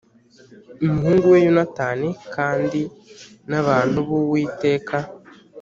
umuhungu we Yonatani kandi n abantu b Uwiteka